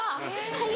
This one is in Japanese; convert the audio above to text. はい。